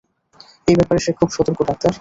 এই ব্যাপারে সে খুব সতর্ক, ডাক্তার।